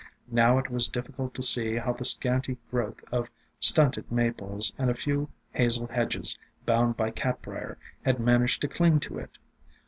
Now it was difficult to see how the scanty growth of stunted Maples and a few Hazel hedges bound by Catbrier had managed to cling to it.